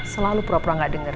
selalu pro pro gak denger